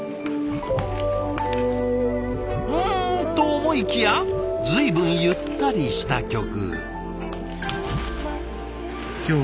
うんと思いきや随分ゆったりした曲。